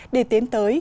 để tiến tới